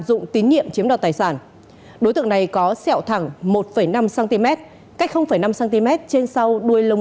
dụng tín nhiệm chiếm đoạt tài sản đối tượng này có sẹo thẳng một năm cm cách năm cm trên sau đuôi lông